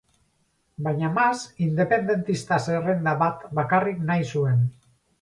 Baina Mas independentista-zerrenda bat bakarrik nahi zuen.